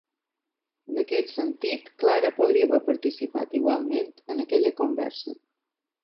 En aquest sentit, Clara podria haver participat igualment en aquella conversa.